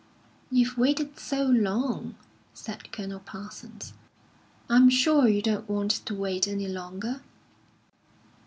"You've waited so long," said Colonel Parsons; "I'm sure you don't want to wait any longer."